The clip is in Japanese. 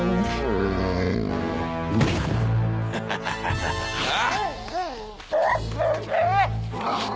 ハハハハハあん？